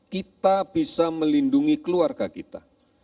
kita bisa melindungi keluarga kita